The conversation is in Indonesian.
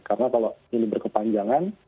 karena kalau ini berkepanjangan